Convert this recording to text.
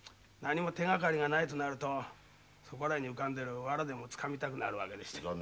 何も手がかりがないとなるとそこらに浮かんでるワラでもつかみたくなる訳でして。